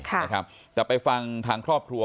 แต่ไปฟังทางครอบครัว